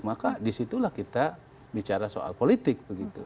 maka disitulah kita bicara soal politik begitu